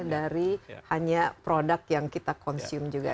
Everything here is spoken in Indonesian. dari hanya produk yang kita konsium juga